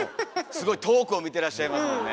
すごい遠くを見てらっしゃいますもんね。